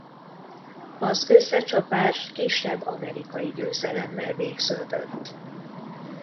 Az összecsapás kisebb amerikai győzelemmel végződött.